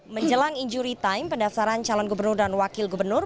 menjelang injury time pendaftaran calon gubernur dan wakil gubernur